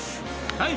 ［はい！］